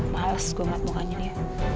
males gue gak mau ngajak dia